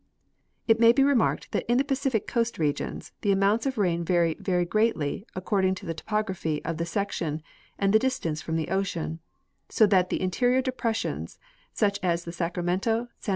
It may be remarked that in the Pacific coast regions the amounts of rain vary very greatly, according to the topography of the section and the distance from the ocean ; so that the interior depressions, such as the Sacramento, San